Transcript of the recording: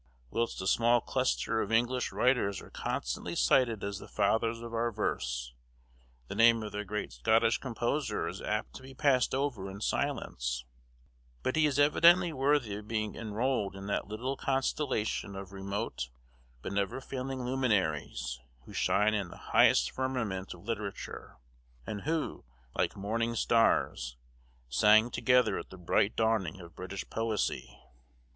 Whilst a small cluster of English writers are constantly cited as the fathers of our verse, the name of their great Scottish compeer is apt to be passed over in silence; but he is evidently worthy of being enrolled in that little constellation of remote but never failing luminaries who shine in the highest firmament of literature, and who, like morning stars, sang together at the bright dawning of British poesy.